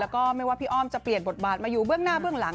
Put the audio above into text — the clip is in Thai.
แล้วก็ไม่ว่าพี่อ้อมจะเปลี่ยนบทบาทมาอยู่เบื้องหน้าเบื้องหลัง